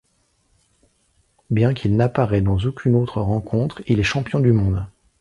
Bien qu'il n'apparaît dans aucune autre rencontre, il est champion du monde.